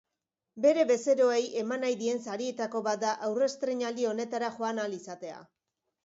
Bere bezeroei eman nahi dien sarietako bat da aurrestreinaldi honetara joan ahal izatea.